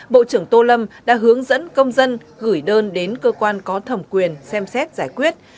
bộ trưởng tô lâm đã hướng dẫn công dân gửi đơn đến cơ quan có thẩm quyền xem xét giải quyết